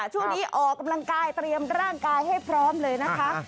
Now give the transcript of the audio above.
ช่วงนี้ออกกำลังกายเตรียมร่างกายให้พร้อมเลยนะคะ